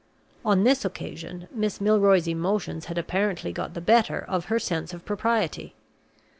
On this occasion Miss Milroy's emotions had apparently got the better of her sense of propriety.